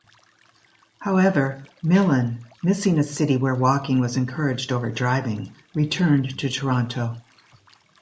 However, Millan, missing a city where walking was encouraged over driving, returned to Toronto.